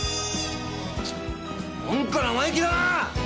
チッなんか生意気だな！